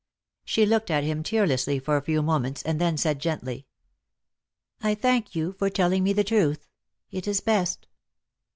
She looked at him tearlessly for a few moments, and then said gently, " I thank you for telling me the truth. It is best."